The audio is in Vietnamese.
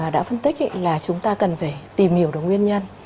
đã phân tích là chúng ta cần phải tìm hiểu được nguyên nhân